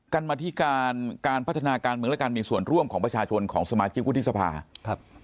กรรมธิการการพัฒนาการเมืองและการมีส่วนร่วมของประชาชนของสมาชิกวุฒิสภาครับ